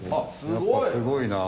やっぱすごいな。